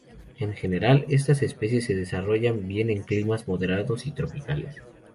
En general, estas especies se desarrollan bien en climas moderados y tropicales.